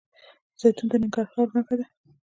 زیتون د ننګرهار نښه ده.